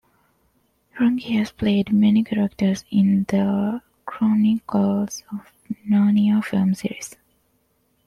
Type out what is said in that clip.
Rangi has played many characters in "The Chronicles of Narnia" film series.